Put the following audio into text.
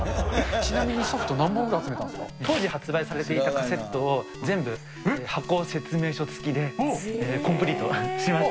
ちなみにソフト何本ぐらい集めた当時発売されていたカセットを全部、箱、説明書付きでコンプリートしました。